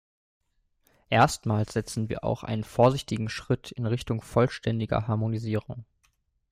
Erstmals setzen wir auch einen vorsichtigen Schritt in Richtung vollständiger Harmonisierung.